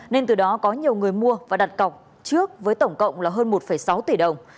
nên từ đó có nhiều người mua và đặt cọc trước với tổng cộng là hơn một sáu tỷ đồng